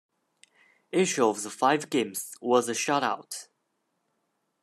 Each of the five games was a shutout.